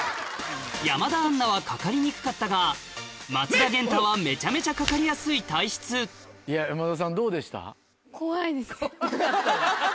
山田杏奈はかかりにくかったが松田元太はめちゃめちゃかかりやすい体質山田さんどうでした？ハハハハハ！